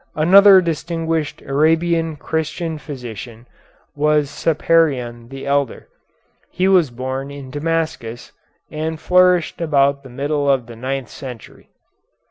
Another distinguished Arabian Christian physician was Serapion the elder. He was born in Damascus, and flourished about the middle of the ninth century.